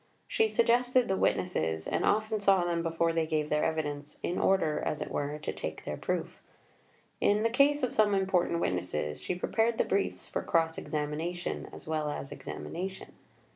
She suggested the witnesses, and often saw them before they gave their evidence, in order, as it were, to take their proof. In the case of some important witnesses, she prepared the briefs for cross examination, as well as examination.